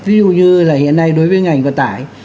ví dụ như là hiện nay đối với ngành vận tải